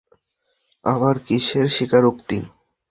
আবার কীসের স্বীকারোক্তি?